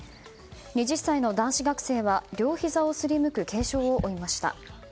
２０歳の男子学生は両ひざを擦りむく軽傷を負いました。